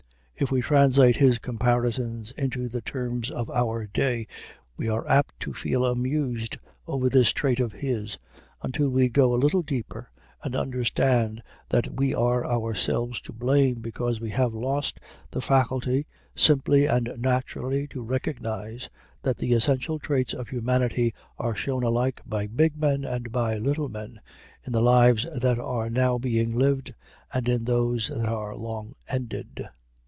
If we translate his comparisons into the terms of our day, we are apt to feel amused over this trait of his, until we go a little deeper and understand that we are ourselves to blame, because we have lost the faculty simply and naturally to recognize that the essential traits of humanity are shown alike by big men and by little men, in the lives that are now being lived and in those that are long ended.